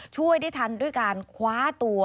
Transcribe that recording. ช่วยได้ทันด้วยการคว้าตัว